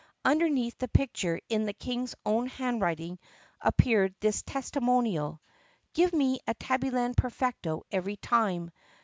Underneath the picture in the King's own handwriting appeared this testi monial : Give me a Tabbyland Perfecto every time.